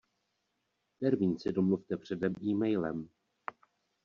Termín si domluvte předem emailem.